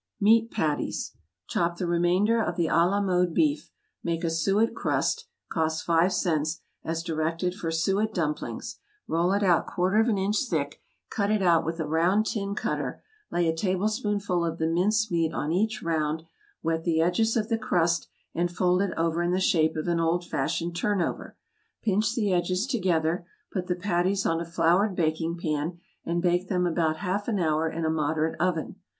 =Meat Patties.= Chop the remainder of the À la mode BEEF; make a suet crust, (cost five cents,) as directed for SUET DUMPLINGS, roll it out quarter of an inch thick, cut it out with a round tin cutter, lay a tablespoonful of the mince meat on each round, wet the edges of the crust, and fold it over in the shape of an old fashioned turn over; pinch the edges together, put the patties on a floured baking pan, and bake them about half an hour in a moderate oven.